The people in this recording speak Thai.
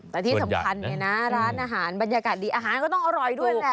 แต่ที่สำคัญเนี่ยนะร้านอาหารบรรยากาศดีอาหารก็ต้องอร่อยด้วยแหละ